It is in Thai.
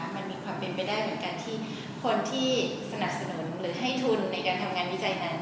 มันมีความเป็นไปได้เหมือนกันที่คนที่สนับสนุนหรือให้ทุนในการทำงานวิจัยนั้น